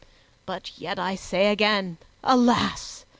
But yet, I say again, Alas!